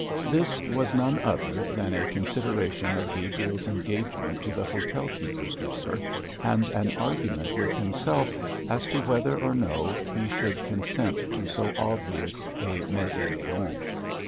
This was none other than a consideration of Gabriel's engagement to the hotelkeeper's daughter, and an argument with himself as to whether or no he should consent to so obvious a mésalliance.